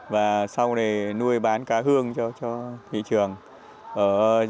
và sau này nuôi bán cá hương cho thị trường